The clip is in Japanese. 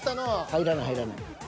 入らない入らない。